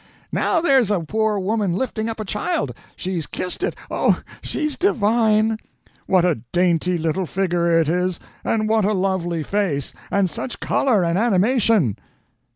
"Now there's a poor woman lifting up a child—she's kissed it—oh, she's divine!" "What a dainty little figure it is, and what a lovely face—and such color and animation!"